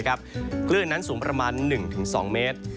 คลื่นนั้นสูงประมาณ๑๒เมตร